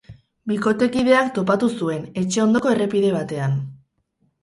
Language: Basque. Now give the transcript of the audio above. Bikotekideak topatu zuen, etxe ondoko errepide batean.